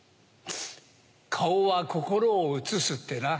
顔は心を映すってな。